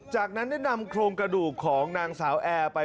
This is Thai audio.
จากนั้นได้นำโครงกระดูกของนางสาวแอร์ไป